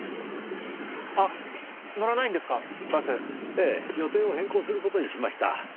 ええ予定を変更する事にしました。